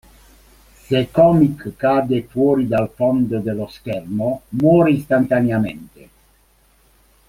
Se Comic cade fuori dal fondo dello schermo muore istantaneamente.